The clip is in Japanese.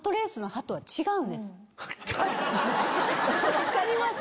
分かります？